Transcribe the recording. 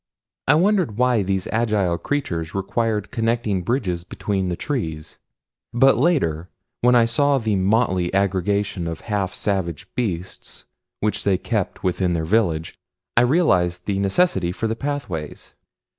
I wondered why these agile creatures required connecting bridges between the trees, but later when I saw the motley aggregation of half savage beasts which they kept within their village I realized the necessity for the pathways.